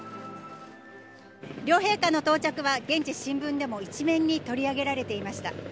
両陛下の到着は、現地新聞でも一面に取り上げられていました。